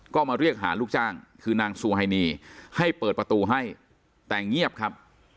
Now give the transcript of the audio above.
ก็มาเรียกหาลูกจ้างคือนางซูไฮนีให้เปิดประตูให้แต่เงียบครับ